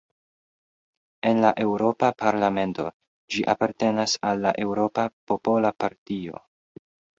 En la Eŭropa parlamento ĝi apartenas al la Eŭropa Popola Partio.